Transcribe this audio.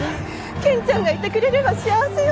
健ちゃんがいてくれれば幸せよ。